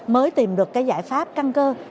mới tìm được cái giải pháp căng cơ